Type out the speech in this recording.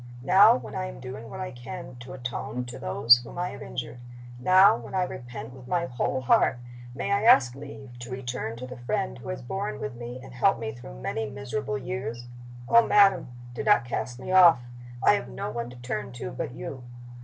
Now, when I am doing what I can to atone to those whom I have injured now, when I repent with my whole heart may I ask leave to return to the friend who has borne with me and helped me through many miserable years? Oh, madam, do not cast me off! I have no one to turn to but you.